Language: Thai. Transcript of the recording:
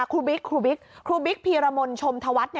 บิ๊กครูบิ๊กครูบิ๊กพีรมนชมธวัฒน์